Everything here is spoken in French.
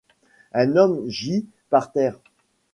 Un homme gît par terre.